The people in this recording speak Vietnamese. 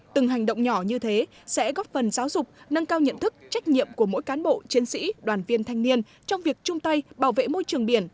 từng hành động nhỏ như thế sẽ góp phần giáo dục nâng cao nhận thức trách nhiệm của mỗi cán bộ chiến sĩ đoàn viên thanh niên trong việc chung tay bảo vệ môi trường biển